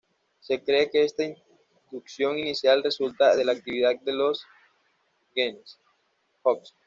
Se cree que esta inducción inicial resulta de la actividad de los genes Hox.